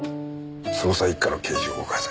捜査一課の刑事を動かせ。